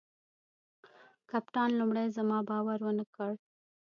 کپتان لومړي زما باور ونه کړ.